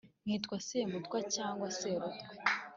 nkitwa semutwa cyangwa serutwe